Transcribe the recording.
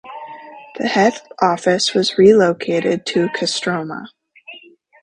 The head office was relocated to Kostroma.